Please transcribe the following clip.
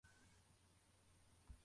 Umwana wambaye ikoti yicaye mu byatsi